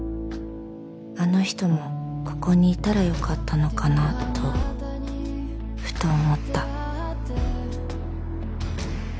あの人もここにいたらよかったのかなとふと思った